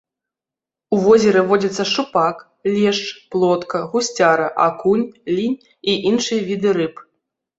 У возеры водзяцца шчупак, лешч, плотка, гусцяра, акунь, лінь і іншыя віды рыб.